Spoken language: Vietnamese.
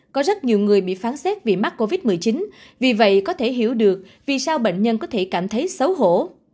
có rất nhiều người bị phán xét vì mắc covid một mươi chín vì vậy có thể hiểu được vì sao bệnh nhân có thể cảm thấy xấu hổ